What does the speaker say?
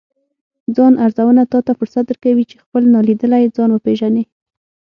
ځان ارزونه تاته فرصت درکوي، چې خپل نالیدلی ځان وپیژنې